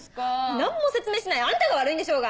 何も説明しないあんたが悪いんでしょうが！